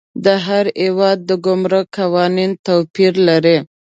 د هر هیواد د ګمرک قوانین توپیر لري.